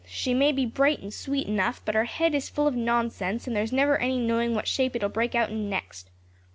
She may be bright and sweet enough, but her head is full of nonsense and there's never any knowing what shape it'll break out in next.